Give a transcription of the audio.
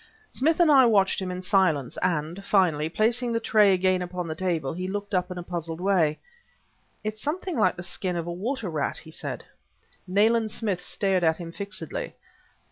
Smith and I watched him in silence, and, finally, placing the tray again upon the table, he looked up in a puzzled way. "It's something like the skin of a water rat," he said. Nayland Smith stared at him fixedly.